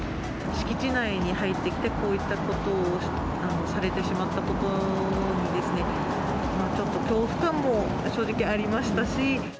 敷地内に入ってきて、こういったことをされてしまったことに、ちょっと恐怖感も正直ありましたし。